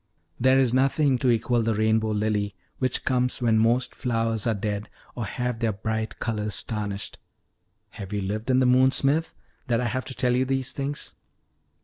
"There is nothing to equal the rainbow lily, which comes when most flowers are dead, or have their bright colors tarnished. Have you lived in the moon, Smith, that I have to tell you these things?"